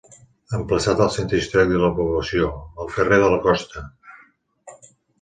Emplaçat al centre històric de la població, al carrer de la Costa.